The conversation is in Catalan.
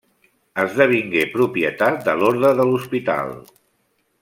Esdevingué propietat de l'orde de l'Hospital.